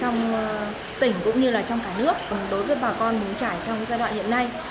trong tỉnh cũng như là trong cả nước đối với bà con mù trải trong giai đoạn hiện nay